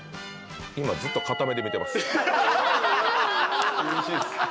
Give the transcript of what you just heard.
今ずっと片目で見ています。